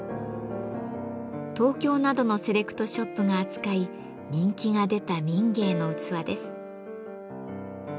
東京などのセレクトショップが扱い人気が出た民藝の器です。